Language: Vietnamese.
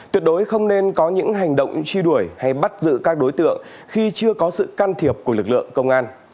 tuyệt đối không nên có những hành động truy đuổi hay bắt giữ các đối tượng khi chưa có sự can thiệp của lực lượng công an